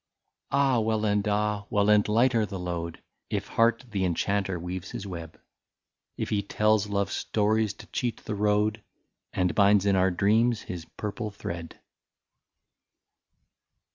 Ah ! well, and ah ! well, and lighter the load. If heart the enchanter weaves his web ; If he tells love stories to cheat the road, And binds in our dreams his purple thread.